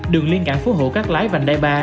đường liên cảng phú hổ các lái vành đai ba